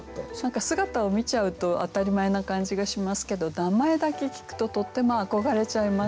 姿を見ちゃうと当たり前な感じがしますけど名前だけ聞くととっても憧れちゃいますよね。